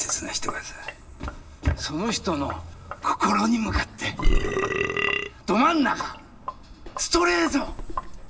その人の心に向かってど真ん中ストレート！